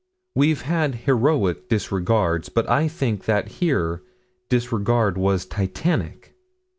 We've had heroic disregards but I think that here disregard was titanic.